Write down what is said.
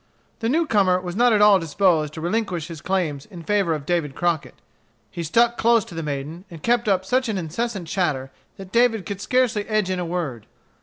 The new comer was not at all disposed to relinquish his claims in favor of David Crockett. He stuck close to the maiden, and kept up such an incessant chatter that David could scarcely edge in a word.